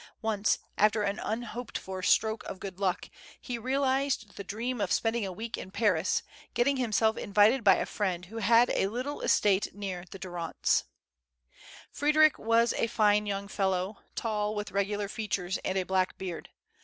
Once, after an unhoped for stroke of good luck, he real ized the dream of spending a week in Paris, getting him self invited by a friend who had a little estate near the Durance. 116 FRKDiRIO. Fr^d^ric was a fine young fellow, tall, with regular features, and a black beard.